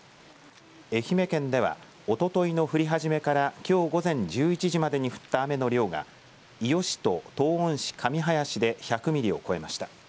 愛媛県ではおとといの降り始めからきょう午前１１時までに降った雨の量が伊予市と東温市上林で１００ミリを超えました。